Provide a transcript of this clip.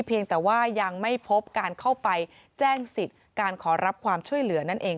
เพียงแต่ว่ายังไม่พบการเข้าไปแจ้งสิทธิ์การขอรับความช่วยเหลือนั่นเอง